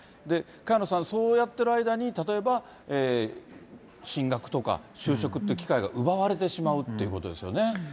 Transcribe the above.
萱野さん、そうやっている間に、例えば進学とか就職って機会が奪われてしまうってことですよね。